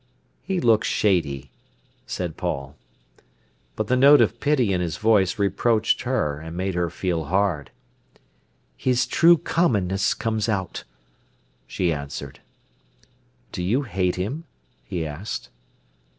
"He looks shady," said Paul. But the note of pity in his voice reproached her, and made her feel hard. "His true commonness comes out," she answered. "Do you hate him?" he asked.